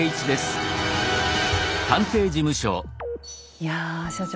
いや所長